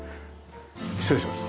失礼します。